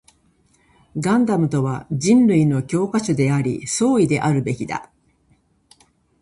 ガンダムとは人類の教科書であり、総意であるべきだ